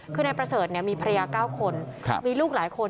คือนายประเสริฐมีภรรยา๙คนมีลูกหลายคน